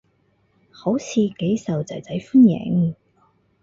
好似幾受囝仔歡迎